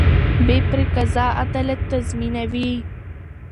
بې پرې قضا عدالت تضمینوي